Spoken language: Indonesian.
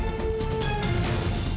pergi lo pada